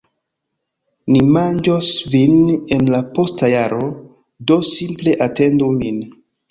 Mi manĝos vin en la posta jaro, do simple atendu min.